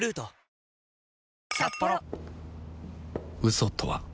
嘘とは